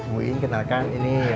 bu iin kenalkan ini